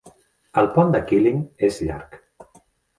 El pont de Kylling és llarg.